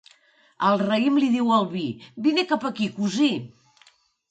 El raïm li diu al vi: —Vine cap aquí, cosí.